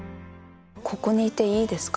ここにいていいですか？